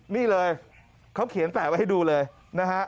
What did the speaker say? นี่เลยเขาเขียนแปะไว้ให้ดูเลยนะฮะ